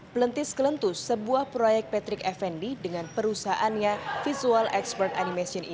klentis klentus sebuah proyek patrick effendi dengan perusahaannya visual expert animation ini